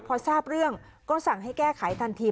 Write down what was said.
พอทราบเรื่องก็สั่งให้แก้ไขทันที